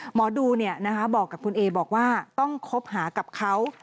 หมอดูบอกกับคุณเอบอกว่าต้องคบหากับเขา